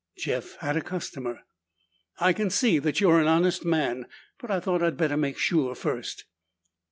Jeff had a customer. "I can see that you're an honest man. But I thought I'd better make sure first."